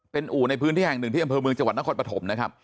เป็นอู่ในพื้นที่แห่งหนึ่งที่อำเภอเมืองจังหวัดนครปฐมนะครับ